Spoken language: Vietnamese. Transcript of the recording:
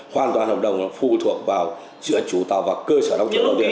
hoàn toàn hợp đồng phù thuộc vào giữa chủ tàu và cơ sở đông chuyển tàu tuyển